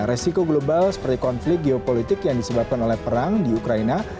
resiko global seperti konflik geopolitik yang disebabkan oleh perang di ukraina